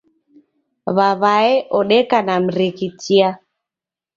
W'aw'aye odeka ni mrighitiaa